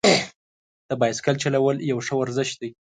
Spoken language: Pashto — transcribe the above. د بایسکل چلول یو ښه ورزش دی.